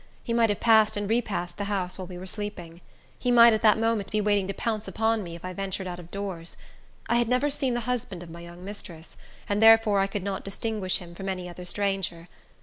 He might have passed and repassed the house while we were sleeping. He might at that moment be waiting to pounce upon me if I ventured out of doors. I had never seen the husband of my young mistress, and therefore I could not distinguish him from any other stranger.